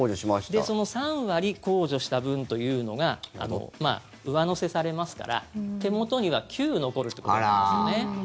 その３割控除した分というのが上乗せされますから手元には９残るってことになりますよね。